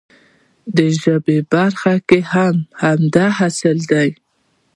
د ژبې په برخه کې هم همدا اصل دی.